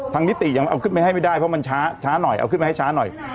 นิติยังเอาขึ้นไปให้ไม่ได้เพราะมันช้าหน่อยเอาขึ้นมาให้ช้าหน่อย